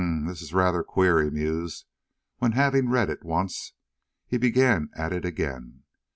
"Hum, this is rather queer," he mused, when having read it once, he began at it again.